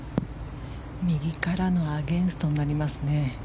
右からのアゲンストになりますね。